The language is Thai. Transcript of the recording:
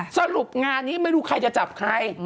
สรุปงานนี้ไม่รู้ใครจะจับใคร